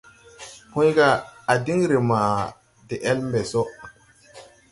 Pũy: À diŋ ree ma de ele mbɛ so.